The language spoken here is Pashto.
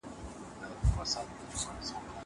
زه سړو ته خواړه ورکړي دي.